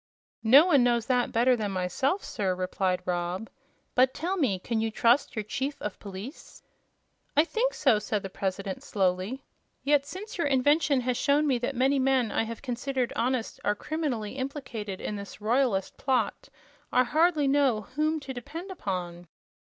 "No one knows that better than myself, sir," replied Rob. "But, tell me, can you trust your chief of police?" "I think so," said the President, slowly; "yet since your invention has shown me that many men I have considered honest are criminally implicated in this royalist plot, I hardly know whom to depend upon."